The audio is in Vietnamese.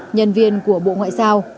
nhân viên của bộ quốc hội